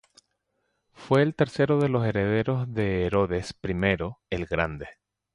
Fue el tercero de los herederos de Herodes I el Grande.